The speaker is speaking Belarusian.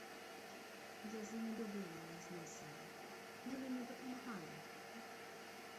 Я з імі добрыя мела зносіны, яны мне дапамагалі.